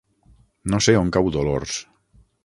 No sé on cau Dolors.